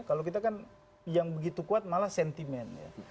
kalau kita kan yang begitu kuat malah sentimen ya